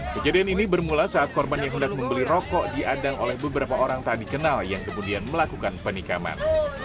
kejadian ini bermula saat korban yang hendak membeli rokok diadang oleh beberapa orang tak dikenal yang kemudian melakukan penikaman